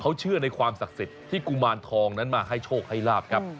เขาเชื่อในความศักดิ์สิทธิ์ที่กุมารทองนั้นมาให้โชคให้ลาบครับ